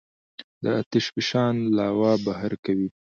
د آتش فشان لاوا بهر کوي.